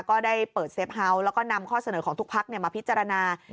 ก็ได้เปิดเซฟเฮาส์แล้วก็นำข้อเสนอของทุกพักมาพิจารณา